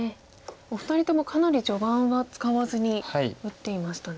お二人ともかなり序盤は使わずに打っていましたね。